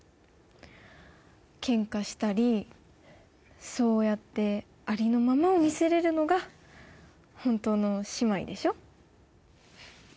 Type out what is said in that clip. ケンカしたりそうやってありのままを見せれるのが本当の姉妹でしょ？